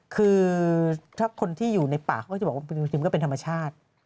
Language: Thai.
คือถ้าคนที่อยู่ในป่าก็จะบอกว่าเป็นธรรมชาติ